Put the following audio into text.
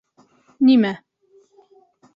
Нимә?!